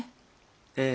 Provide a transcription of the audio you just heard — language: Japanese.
ええ。